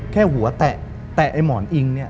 แค่หัวแตะไอ้หมอนอิงเนี่ย